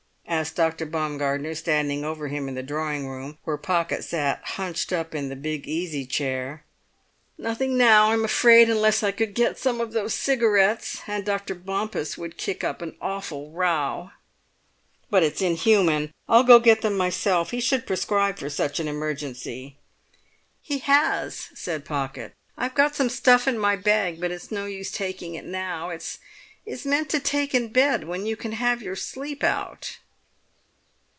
asked Dr. Baumgartner, standing over him in the drawing room, where Pocket sat hunched up in the big easy chair. "Nothing now, I'm afraid, unless I could get some of those cigarettes. And Dr. Bompas would kick up an awful row!" "But it's inhuman. I'll go and get them myself. He should prescribe for such an emergency." "He has," said Pocket. "I've got some stuff in my bag; but it's no use taking it now. It's meant to take in bed when you can have your sleep out."